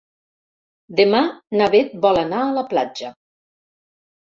Demà na Beth vol anar a la platja.